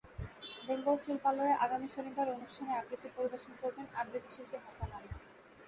বেঙ্গল শিল্পালয়ে আগামী শনিবার অনুষ্ঠানে আবৃত্তি পরিবেশন করবেন আবৃত্তিশিল্পী হাসান আরিফ।